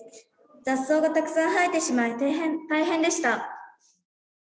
雑草がたくさん生えてしまい大変でした。